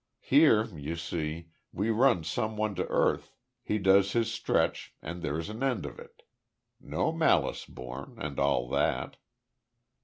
Here, you see, we run some one to earth he does his stretch and there's an end of it. No malice borne and all that."